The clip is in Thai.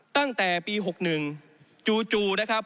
ตั้งแต่ปี๖หนึ่งจู่นะครับ